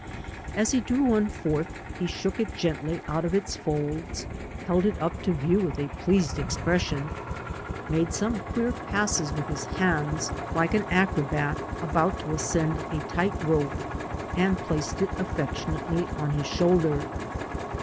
As he drew one forth, he shook it gently out of its folds, held it up to view with a pleased ex pression, made some queer passes with his hands, like an acrobat about to ascend a tight rope, and placed it affectionately on his shoulder.